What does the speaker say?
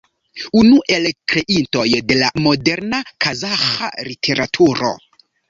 Unu el kreintoj de la moderna kazaĥa literaturo.